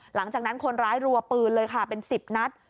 หลังจากนั้นคนร้ายรัวปืนเลยค่ะเป็น๑๐นัด